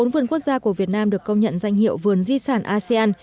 bốn vườn quốc gia của việt nam được công nhận danh hiệu vườn di sản asean